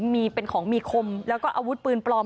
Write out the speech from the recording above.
มีเป็นของมีคมแล้วก็อาวุธปืนปลอม